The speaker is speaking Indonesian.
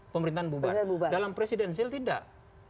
pemerintahan bubar dalam presidensil tidak